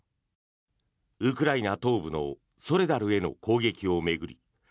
ウクライナ東部のソレダルへの攻撃を巡り